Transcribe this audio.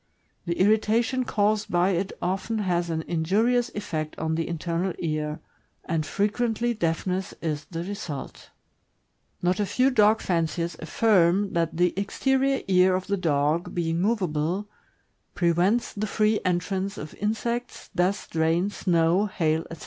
The irritation caused by it often has an injurious effect on the internal ear, and frequently deafness is the result. Not a few dog fanciers affirm that the exterior ear of the dog, being movable, prevents the free entrance of insects, dust, rain, snow, hail, etc.